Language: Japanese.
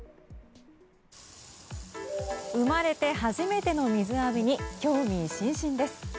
生まれて初めての水浴びに興味津々です。